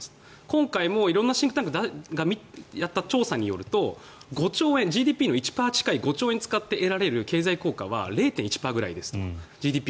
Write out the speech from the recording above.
今回も色んなシンクタンクがやった調査によるとＧＤＰの１％の５億円を使って得られる経済効果は０．１％ぐらいですと。